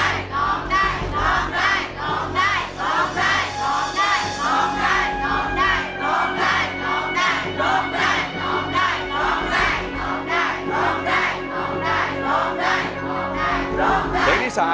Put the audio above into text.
โน้มใจโน้มใจโน้มใจโน้มใจ